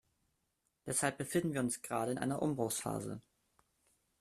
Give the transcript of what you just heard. Deshalb befinden wir uns gerade in einer Umbruchphase.